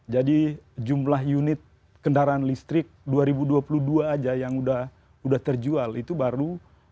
jadi jumlah unit kendaraan listrik dua ribu dua puluh dua aja yang udah terjual itu baru empat ribu enam ratus